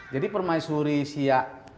jadi permaisuri siap